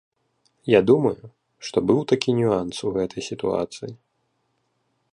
Я думаю, што быў такі нюанс у гэтай сітуацыі.